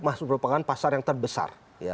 merupakan pasar yang terbesar